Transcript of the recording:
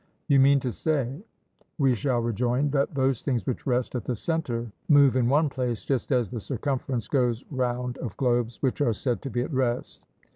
You mean to say, we shall rejoin, that those things which rest at the centre move in one place, just as the circumference goes round of globes which are said to be at rest?